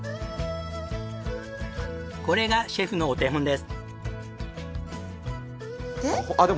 これがシェフのお手本です。